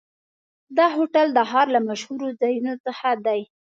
دا هوټل د ښار له مشهورو ځایونو څخه دی.